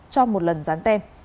cho một lần gián tem